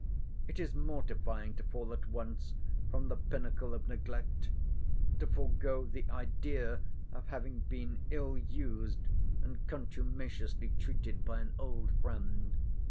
It is mortifying to fall at once from the pinnacle of neglect; to forego the idea of having been ill used and contumaciously treated by an old friend.